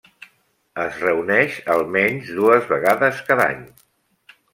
Es reuneix almenys dues vegades cada any.